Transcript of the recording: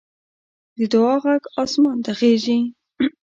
د دعا غږ اسمان ته خېژي